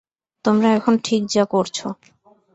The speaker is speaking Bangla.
তোমরা এখন ঠিক যা করছো।